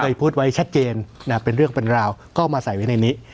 พูดไว้ชัดเจนนะเป็นเรื่องเป็นราวก็มาใส่ไว้ในนี้